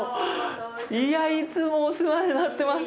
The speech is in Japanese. いやぁ、いつもお世話になってます。